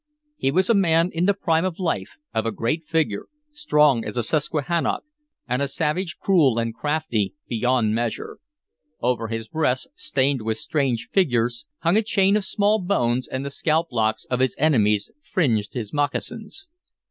He was a man in the prime of life, of a great figure, strong as a Susquehannock, and a savage cruel and crafty beyond measure. Over his breast, stained with strange figures, hung a chain of small bones, and the scalp locks of his enemies fringed his moccasins.